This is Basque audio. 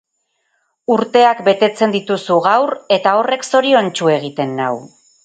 Urteak betetzen dituzu gaur eta horrek zoriontsu egiten nau.